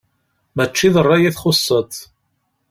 Mačči d ṛṛay i txuṣṣeḍ.